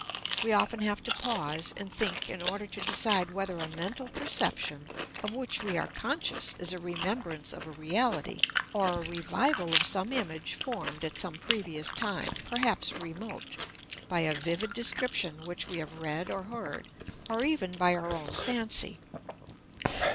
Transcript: We often have to pause and think in order to decide whether a mental perception of which we are conscious is a remembrance of a reality, or a revival of some image formed at some previous time, perhaps remote, by a vivid description which we have read or heard, or even by our own fancy.